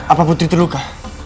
apa putri terluka